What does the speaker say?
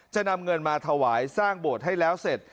จะนำเงินมาถวายสร้างโบสถ์ให้แล้วเสร็จ